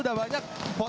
selamat tahun baru